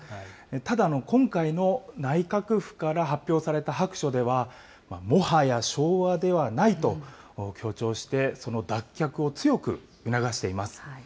ただ、今回の内閣府から発表された白書では、もはや昭和ではないと強調して、その脱却を強く促しています。